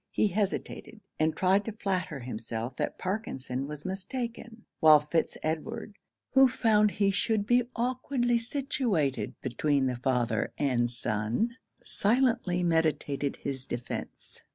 He hesitated, and tried to flatter himself that Parkinson was mistaken; while Fitz Edward, who found he should be awkwardly situated between the father and son, silently meditated his defence.